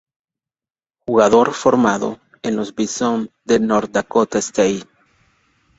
Jugador formado en los Bison de North Dakota State.